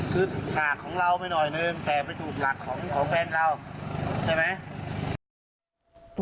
คือห่างของเราไปหน่อยนึงแต่มันถูกหลักของแฟนเราใช่ไหม